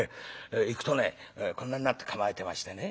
行くとねこんなんなって構えてましてね